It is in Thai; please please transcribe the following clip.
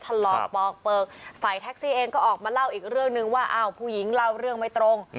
ถลอกปอกเปลือกฝ่ายแท็กซี่เองก็ออกมาเล่าอีกเรื่องนึงว่าอ้าวผู้หญิงเล่าเรื่องไม่ตรง